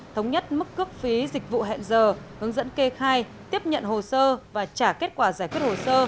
thống nhất mức cước phí dịch vụ hẹn giờ hướng dẫn kê khai tiếp nhận hồ sơ và trả kết quả giải quyết hồ sơ